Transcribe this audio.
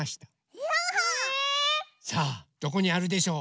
え⁉さあどこにあるでしょう？